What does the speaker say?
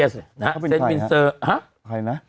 เขาเป็นใครครับฮะเขาเป็นใครนะ